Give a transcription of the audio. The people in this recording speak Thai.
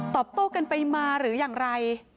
ตบโตกันไปมาหรือยังไร